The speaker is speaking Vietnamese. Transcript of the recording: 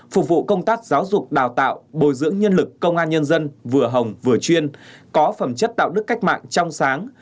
phục vụ công tác giáo dục đào tạo bồi dưỡng nhân lực công an nhân dân vừa hồng vừa chuyên có phẩm chất đạo đức cách mạng trong sáng